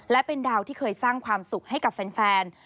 และเป็นดาวที่เคยสร้างความสุขให้กับแฟน